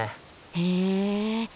へえ。